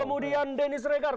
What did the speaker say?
kemudian dennis regar